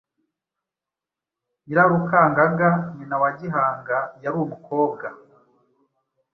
Nyirarukangaga nyina wa Gihanga yari umukobwa